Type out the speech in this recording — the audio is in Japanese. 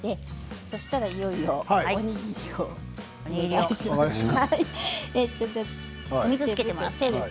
そうしたらいよいよおにぎりをお願いします。